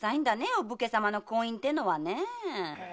お武家様の婚姻てのは。